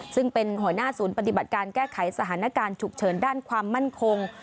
ซึ่งเป็นหัวหน้าศูนย์ปฏิบัติการแก้ไขสถานการณ์ฉุกเฉินด้านความมั่นคง